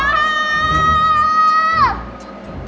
aduh aduh aduh